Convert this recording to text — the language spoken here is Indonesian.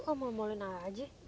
kamu mau maulin arah aja